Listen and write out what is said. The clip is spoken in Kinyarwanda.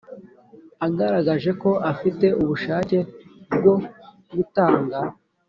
agaragaje ko afite ubushake bwo gutanga